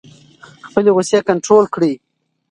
خپلې غصې کنټرول کړئ.